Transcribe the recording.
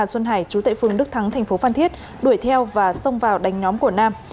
hà xuân hải trú tại phương đức thắng tp phan thiết đuổi theo và xông vào đánh nhóm của nam